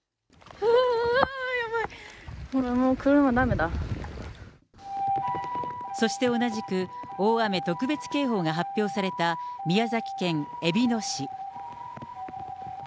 ほらもう、そして同じく、大雨特別警報が発表された宮崎県えびの市。